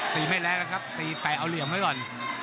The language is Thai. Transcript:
ไม่แรงนะครับตีแปะเอาเหลี่ยมไว้ก่อน